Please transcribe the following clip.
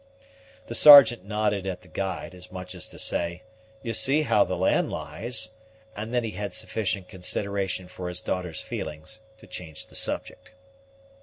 The Sergeant nodded at the guide, as much as to say, You see how the land lies; and then he had sufficient consideration for his daughter's feelings to change the subject.